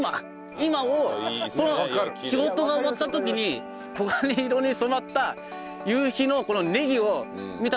今をこの仕事が終わった時に黄金色に染まった夕日のこのねぎを見た時に。